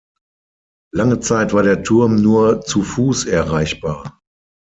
Lange Zeit war der Turm nur zu Fuß erreichbar.